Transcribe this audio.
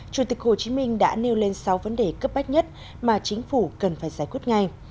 chủ tịch hồ chí minh đã nêu lên sáu vấn đề cấp bách nhất mà chính phủ cần phải giải quyết ngay